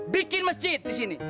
bikin masjid disini